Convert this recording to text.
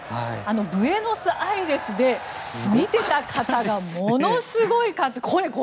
ブエノスアイレスで見ていた方がものすごい数。